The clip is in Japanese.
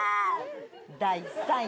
第３位。